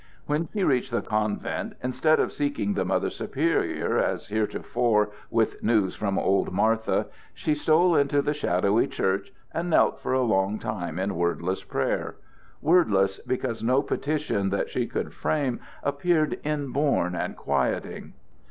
When she reached the convent, instead of seeking the Mother Superior as heretofore with news from old Martha, she stole into the shadowy church and knelt for a long time in wordless prayer wordless, because no petition that she could frame appeared inborn and quieting.